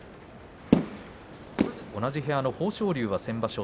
同じ部屋の豊昇龍先場所